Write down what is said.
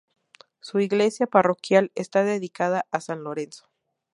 Su Iglesia parroquial, está dedicada a San Lorenzo.